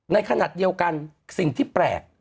ในขณะเดียวกันสิ่งที่แปลก